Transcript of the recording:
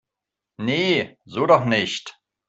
Nee, so doch nicht!